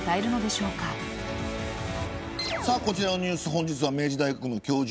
本日は明治大学教授